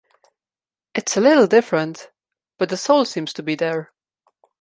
It's a little different, but the soul seems to be there.